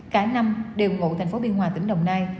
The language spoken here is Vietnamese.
cả năm đều ngụ thành phố biên hòa tỉnh đồng nai